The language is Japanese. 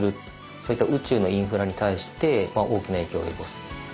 そういった宇宙のインフラに対して大きな影響を及ぼす。